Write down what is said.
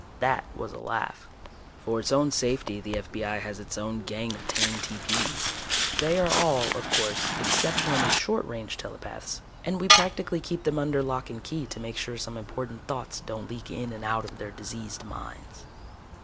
That was a laugh. For its own safety the F.B.I. has its own gang of tame TP's they are all, of course, exceptionally short range telepaths, and we practically keep them under lock and key to make sure some important thoughts don't leak in and out of their diseased minds.